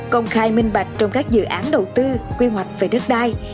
công khai minh bạch trong các dự án đầu tư quy hoạch về đất đai